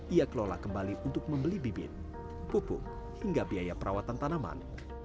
ia kelola kembali untuk membeli bibit pupuk hingga biaya perawatan tanaman